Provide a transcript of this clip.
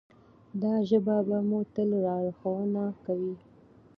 دا ژبه به مو تل لارښوونه کوي.